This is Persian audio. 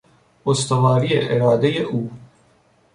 استواری ارادهی او